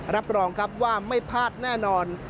รับรองครับว่าไม่พลาดแน่นอน